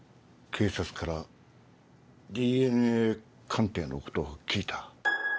警察からＤＮＡ鑑定のことを聞いた。